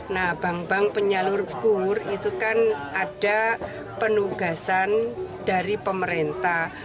nah bank bank penyalur kur itu kan ada penugasan dari pemerintah